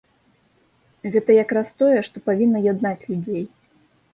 Гэта як раз тое, што павінна яднаць людзей.